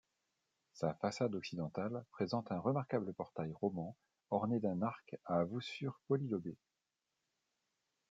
Sa façade occidentale présente un remarquable portail roman orné d'un arc à voussure polylobée.